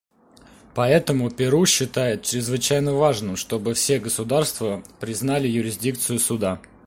Поэтому Перу считает чрезвычайно важным, чтобы все государства признали юрисдикцию Суда.